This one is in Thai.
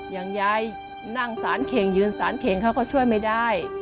อย่างยายนั่งสารเข่งยืนสารเข่งเขาก็ช่วยไม่ได้